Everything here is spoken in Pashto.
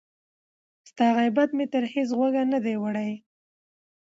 ستا غیبت مي تر هیڅ غوږه نه دی وړی